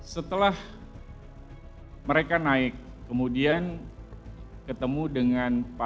setelah mereka naik kemudian ketemu dengan pak